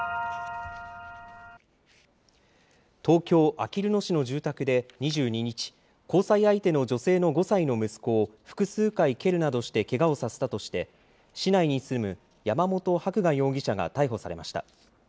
東京・あきる野市の住宅で２２日、交際相手の女性の５歳の息子を複数回蹴るなどしてけがをさせたとして、市内に住む山本伯画容疑者が逮捕されました。